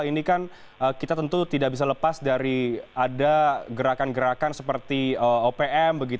ini kan kita tentu tidak bisa lepas dari ada gerakan gerakan seperti opm